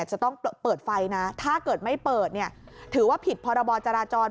จะต้องเปิดไฟนะถ้าเกิดไม่เปิดเนี่ยถือว่าผิดพรบจราจร